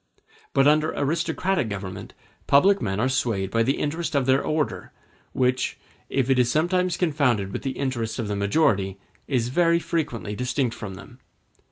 But under aristocratic governments public men are swayed by the interest of their order, which, if it is sometimes confounded with the interests of the majority, is very frequently distinct from them.